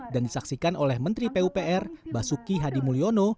dan disaksikan oleh menteri pupr basuki hadi mulyono